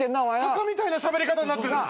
鷹みたいなしゃべり方になってる。